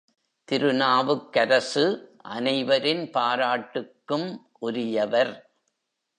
திருநாவுக்கரசு அனைவரின் பாராட்டுக்கும் உரியவர்.